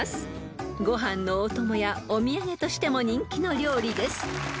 ［ご飯のお供やお土産としても人気の料理です］